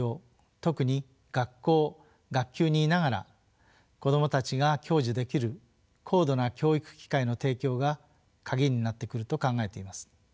特に学校・学級にいながら子どもたちが享受できる高度な教育機会の提供が鍵になってくると考えています。